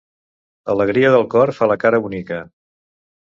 Alegria del cor fa la cara bonica.